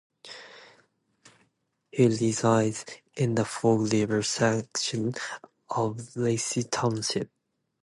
He resides in the Forked River section of Lacey Township.